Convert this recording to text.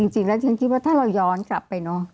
จริงแล้วฉันคิดว่าถ้าเราย้อนกลับไปเนอะ